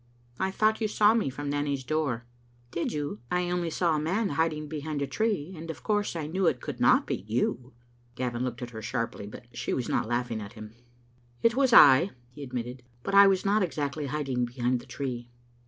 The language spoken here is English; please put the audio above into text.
I thought you saw me from Nanny's door." " Did you? I only saw a man hiding behind a tree, and of course I knew it could not be you." Gavin looked at her sharply, but she was not laugh ing at him. " It was I," he admitted; "but I was not exactly hid ing behind the tree."